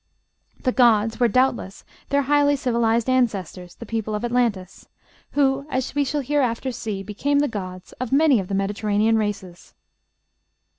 "The gods" were, doubtless, their highly civilized ancestors the people of Atlantis who, as we shall hereafter see, became the gods of many of the Mediterranean races.